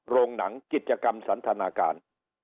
โรงหนังกิจกรรมสันทนาการ